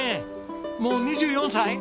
もう２４歳？